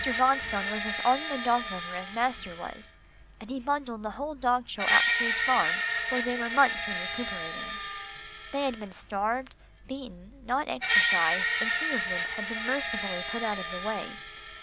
Bonstone was as ardent a dog lover as master was, and he bundled the whole dog show out to his farm, where they were months in recuperating. They had been starved, beaten, not exercised, and two of them had to be mercifully put out of the way.